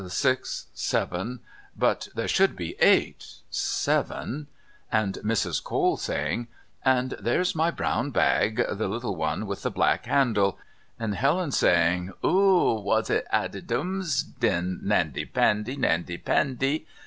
Six, Seven... But there should be Eight... Seven..." and Mrs. Cole saying: "And there's my brown bag. The little one with the black handle," and Helen saying. "OO, was it adidums, then Nandy Pandy, Nandy Pandy..."